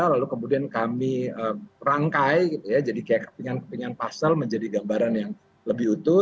lalu kemudian kami rangkai jadi kayak kepingan kepingan pasal menjadi gambaran yang lebih utuh